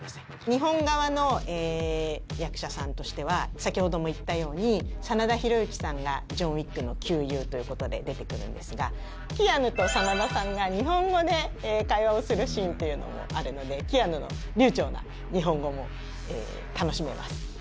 日本側の役者さんとしては先ほども言ったように真田広之さんがジョン・ウィックの旧友ということで出てくるんですがキアヌと真田さんが日本語で会話をするシーンというのもあるのでキアヌの流ちょうな日本語も楽しめます。